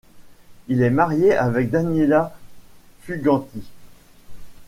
Il est marié avec Daniela Fuganti.